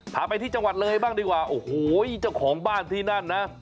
พาไปที่จังหวัดเลยบ้างดีกว่าโอ้โหเจ้าของบ้านที่นั่นนะ